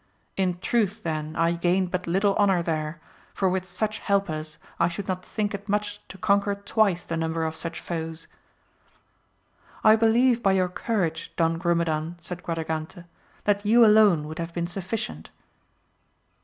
In truth then I gained but little honour there, for with such helpers, I should not think it much to conquer twice the number of such foes. I believe by your courage Don Grumedan, said Quadragante, that you alone would have been sufficient.